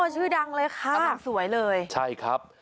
ชื่อดังเลยค่ะ